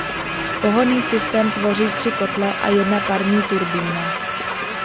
Pohonný systém tvoří tři kotle a jedna parní turbína.